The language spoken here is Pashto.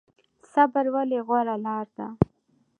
صبر ولې غوره لاره ده؟